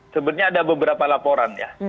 sebenarnya ada beberapa laporan ya